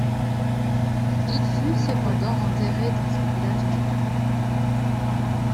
Il fut cependant enterré dans son village natal.